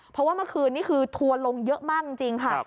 เพราะว่าเมื่อคืนนี้คือทัวร์ลงเยอะมากจริงค่ะ